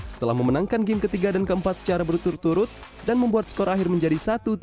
setelah memenangkan game ketiga dan keempat secara berturut turut dan membuat skor akhir menjadi satu tiga